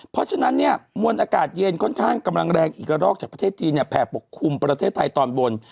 เพราะฉะนั้นเนี่ยมวลอากาศเย็นค่อนข้างกำลังแรงอีกระรอกจากประเทศจีนเนี่ยแผ่ปกคลุมประเทศไทยตอนบน